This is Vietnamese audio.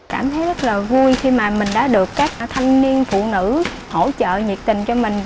cảm thấy rất là vui khi mà mình đã được các thanh niên phụ nữ hỗ trợ nhiệt tình cho mình